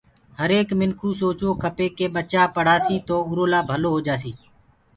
هر ايڪ منکِو سوچوو کپي ڪي ٻچآ پڙهسي تو اُرو لآ ڀلو هو جآسي